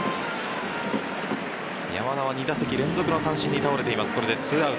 山田は２打席連続の三振に倒れています。